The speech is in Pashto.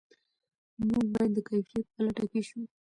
موږ باید د کیفیت په لټه کې شو.